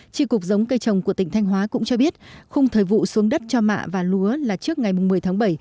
tri cục giống cây trồng của tỉnh thanh hóa cũng cho biết khung thời vụ xuống đất cho mạ và lúa là trước ngày một mươi tháng bảy